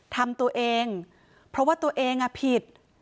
ทำตัวเองเพราะว่าตัวเองผิด